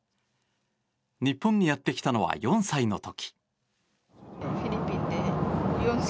日本にやってきたのは４歳の時。